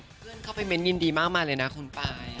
เพื่อนเข้าไปเม้นยินดีมากมายเลยนะคุณป้าย